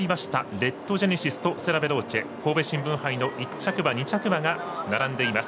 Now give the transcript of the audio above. レッドジェネシスとステラヴェローチェ神戸新聞杯の１着馬、２着馬が並んでいます。